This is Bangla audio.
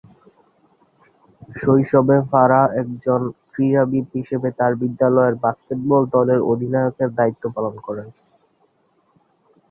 শৈশবে ফারাহ একজন ক্রীড়াবিদ হিসেবে তার বিদ্যালয়ের বাস্কেটবল দলের অধিনায়কের দায়িত্ব পালন করেন।